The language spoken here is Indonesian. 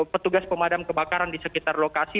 petugas pemadam kebakaran di sekitar lokasi